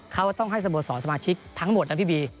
เขาต้องให้สโมสรสมาชิกทั้งหมดนะพี่บี